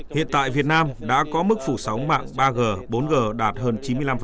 hiện tại việt nam đã có mức phủ sóng mạng ba g bốn g đạt hơn chín mươi năm